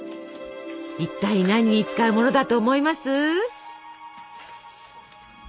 いったい何に使うものだと思います？